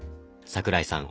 桜井さん